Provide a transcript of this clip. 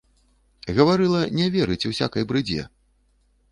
Гаварыла не верыць усякай брыдзе!